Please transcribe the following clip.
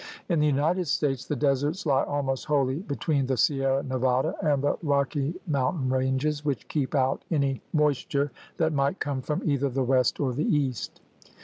In the United States the deserts lie almost wholly between the Sierra Nevada and the Rocky Mountain ranges, which keep out any mois ture that might come from either the west or the east.